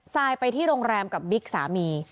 ซายไปที่โรงแรมกับบิ๊กสามี